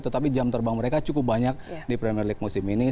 tetapi jam terbang mereka cukup banyak di premier league musim ini